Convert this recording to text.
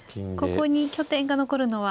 ここに拠点が残るのは。